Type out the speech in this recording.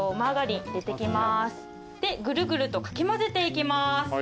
ぐるぐるとかき混ぜていきます。